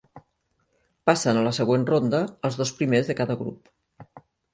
Passen a la següent ronda els dos primers de cada grup.